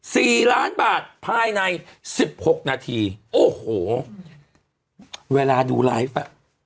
สี่ล้านบาทภายในสิบหกนาทีโอ้โหเวลาดูไลฟ์อ่ะ